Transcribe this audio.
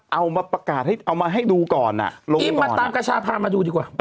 เอามาประกาศให้เอามาให้ดูก่อนอ่ะลงนี่มาตามกระชาพามาดูดีกว่า